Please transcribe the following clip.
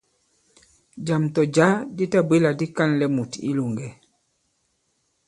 Jàm tɔ̀ jǎ di tabwě là di ka᷇nlɛ mùt i ilòŋgɛ.